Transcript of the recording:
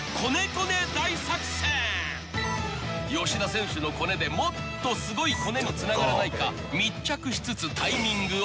［吉田選手のコネでもっとすごいコネにつながらないか密着しつつタイミングをうかがう］